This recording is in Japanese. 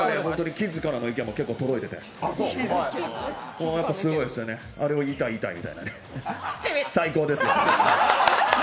キッズからの意見も結構届いてて、すごいですよねあれを言いたい、言いたいみたいな最高です。